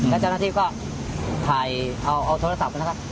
แล้วเจ้าหน้าที่ก็ถ่ายเอาโทรศัพท์นะครับ